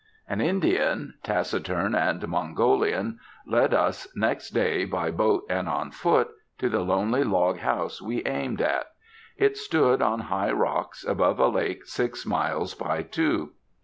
An Indian, taciturn and Mongolian, led us on next day, by boat and on foot, to the lonely log house we aimed at. It stood on high rocks, above a lake six miles by two.